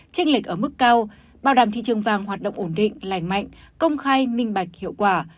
tranh lệch ở mức cao bảo đảm thị trường vàng hoạt động ổn định lành mạnh công khai minh bạch hiệu quả